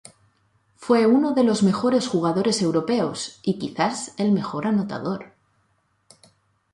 Fue uno de los mejores jugadores europeos y quizás el mejor anotador.